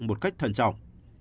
một cách thân trọng